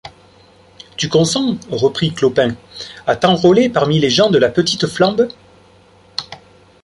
Tu consens, reprit Clopin, à t’enrôler parmi les gens de la petite flambe?